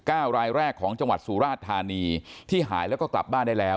รายแรกของจังหวัดสุราชธานีที่หายแล้วก็กลับบ้านได้แล้ว